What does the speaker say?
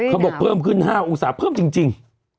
เพิ่มขึ้น๕องศาเพิ่มจริง